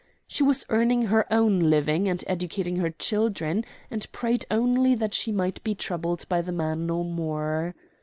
She was earning her own living and educating her children, and prayed only that she might be troubled by the man no more.